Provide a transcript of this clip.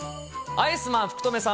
アイスマン先生。